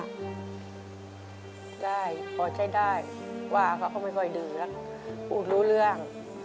ได้พอใจได้ว่าก็เขาไม่ค่อยดื่มแล้วพูดรู้เรื่อง